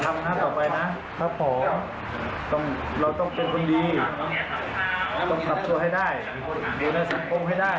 หมายถึงพิวิธธิ์